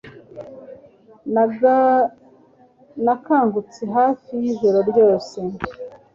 Nakangutse hafi ijoro ryose.